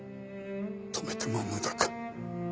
止めても無駄か。